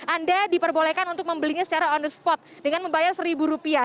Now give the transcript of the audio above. anda diperbolehkan untuk membelinya secara on the spot dengan membayar seribu rupiah